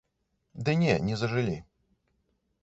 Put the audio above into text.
Ды не, не зажылі.